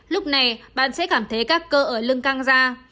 lúc này bạn sẽ cảm thấy các cơ ở lưng căng ra